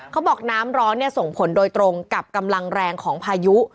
เขาบอกน้ำร้อนส่งผลโดยตรงกับกำลังแรงของพายุ